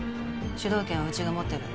主導権はうちが持ってる。